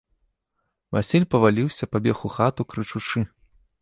Васіль паваліўся, пабег у хату крычучы.